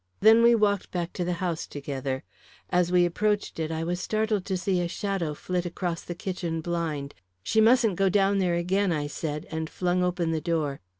Then we walked back to the house together. As we approached it, I was startled to see a shadow flit across the kitchen blind. "She mustn't go down there again," I said, and flung open the door.